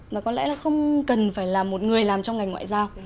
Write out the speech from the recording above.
mà có lẽ là không cần phải là một người làm trong ngành ngoại giao